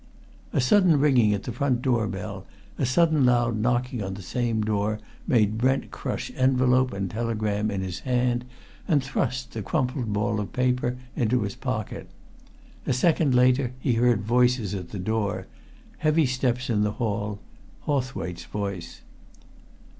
A sudden ringing at the front door bell, a sudden loud knocking on the same door, made Brent crush envelope and telegram in his hand and thrust the crumpled ball of paper into his pocket. A second later he heard voices at the door, heavy steps in the hall, Hawthwaite's voice.